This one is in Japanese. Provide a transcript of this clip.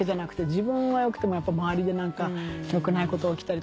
自分はよくても周りで何かよくないことが起きたりとか。